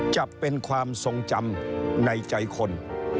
จะเป็นความทรงจำในใจคน